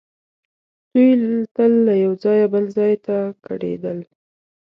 دوی تل له یو ځایه بل ځای ته کډېدل.